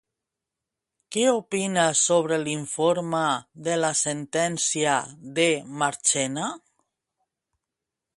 Què opina sobre l'informe de la sentència de Marchena?